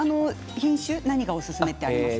品種でおすすめはありますか？